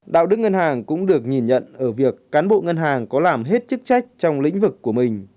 đạo đức ngân hàng cũng được nhìn nhận ở việc cán bộ ngân hàng có làm hết chức trách trong lĩnh vực của mình